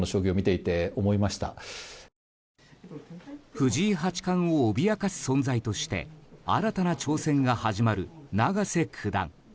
藤井八冠を脅かす存在として新たな挑戦が始まる、永瀬九段。